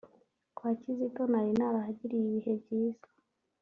Kwa Kizito nari narahagiriye ibihe byiza